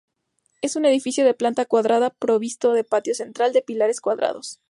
Es un edificio de planta cuadrada, provisto de patio central, de pilares cuadrados.